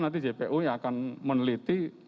nanti jpu yang akan meneliti